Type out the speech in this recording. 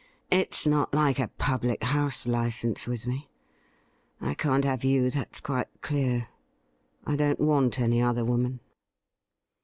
' It's not like a public house license with me. I can't have you, that's quite clear. I don't want any other woman.'